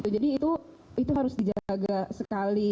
jadi itu harus dijaga sekali